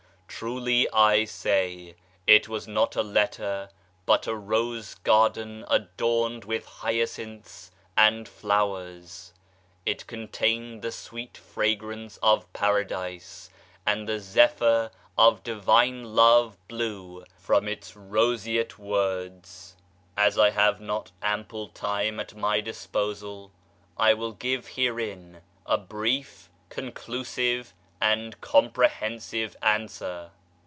Truly, I say, it was not a letter but a rose garden adorned with hyacinths and flowers. It contained the sweet fragrance of Paradise and the zephyr of Divine Love blew from its roseate words. As I have not ample time at my disposal, I will give herein a brief, conclusive and comprehensive answer.